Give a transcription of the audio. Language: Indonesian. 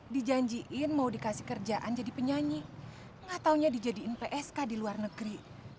dijanjiin mau dikasih kerjaan jadi penyanyi gak taunya dijadiin psk di luar negeri